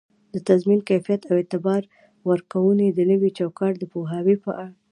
د تضمین کیفیت او اعتبار ورکووني د نوي چوکات د پوهاوي په